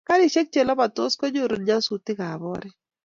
garishek che lapatos ko noru nyasutik ab oret